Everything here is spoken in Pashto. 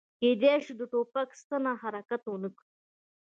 کیدای شي د ټوپک ستن حرکت ونه کړي